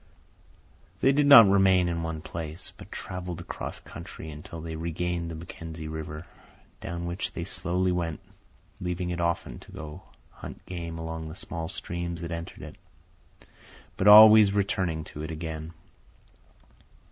They did not remain in one place, but travelled across country until they regained the Mackenzie River, down which they slowly went, leaving it often to hunt game along the small streams that entered it, but always returning to it again.